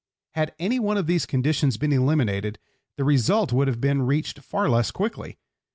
Had any one of these conditions been eliminated the result would have been reached far less quickly.